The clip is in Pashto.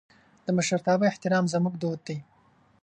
د مشرتابه احترام زموږ دود دی.